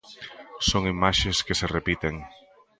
Son imaxes que se repiten.